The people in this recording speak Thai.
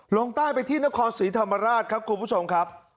ลงใต้ไปที่นครศรีธรรมราชครับคุณผู้ชมครับ